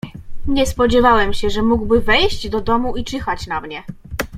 "Nie spodziewałem się, że mógłby wejść do domu i czyhać na mnie."